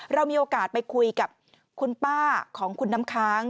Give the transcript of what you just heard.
เรามีโอกาสไปคุยกับคุณป้าของคุณน้ำค้าง